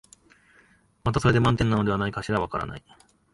またそれで満点なのではないかしら、わからない、